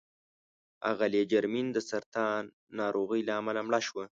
اغلې جرمین د سرطان ناروغۍ له امله مړه شوه.